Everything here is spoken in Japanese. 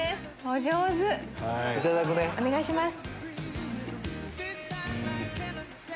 お願いします。